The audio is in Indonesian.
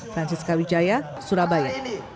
francis kawijaya surabaya